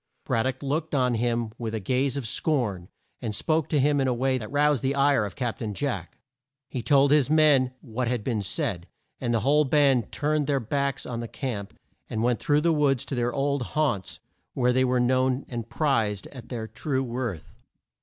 Brad dock looked on him with a gaze of scorn, and spoke to him in a way that roused the ire of Cap tain Jack. He told his men what had been said, and the whole band turned their backs on the camp, and went through the woods to their old haunts where they were known and prized at their true worth.